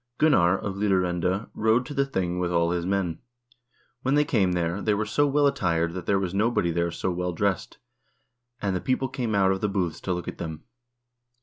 "Gunnar of Lidarende rode to the thing with all his men. When they came there, they were so well attired that there was nobody there so well dressed, and the people came out of the booths to look at them.